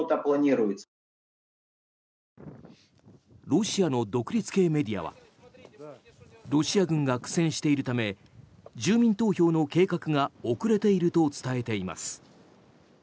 ロシアの独立系メディアはロシア軍が苦戦しているため住民投票の計画が遅れていると伝えています。